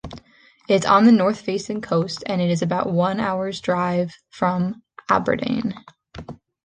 It is on the north-facing coast and is about one hour's drive from Aberdeen.